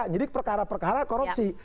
nyidik perkara perkara korupsi